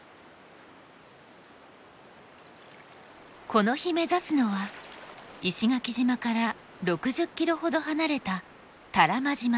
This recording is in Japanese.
この日目指すのは石垣島から６０ｋｍほど離れた多良間島。